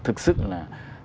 thực sự là